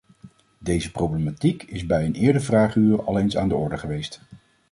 Deze problematiek is bij een eerder vragenuur al eens aan de orde geweest.